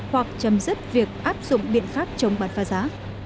hoặc chấm dứt việc áp dụng biện pháp chống bán phá giá